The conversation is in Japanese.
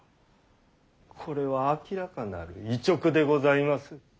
これは明らかなる違勅でございまする！